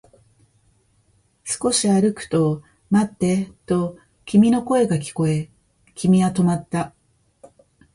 少し歩くと、待ってと君の声が聞こえ、君は止まった